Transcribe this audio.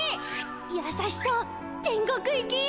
やさしそう天国行き！